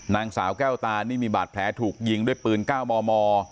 นางสาวแก้วตานี่มีบาดแผลถูกยิงด้วยปืน๙มม